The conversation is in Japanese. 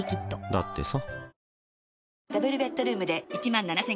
だってさ